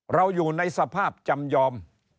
เราอยู่ในสภาพจำยอม